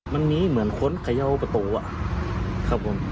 มันมีเหมือนคนเขย่าประตูครับผม